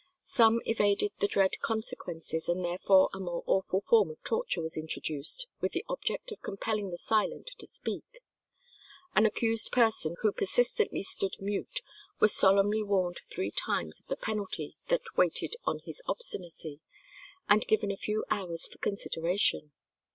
Some evaded the dread consequences, and therefore a more awful form of torture was introduced with the object of compelling the silent to speak. An accused person who persistently stood mute was solemnly warned three times of the penalty that waited on his obstinacy, and given a few hours for consideration.